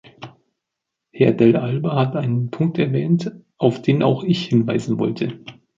Herr dell' Alba hat einen Punkt erwähnt, auf den auch ich hinweisen wollte.